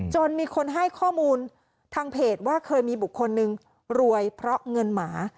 จนมีคนให้ข้อมูลทางเพจว่าเคยมีบุคคลนึงรวยเพราะเงินหมา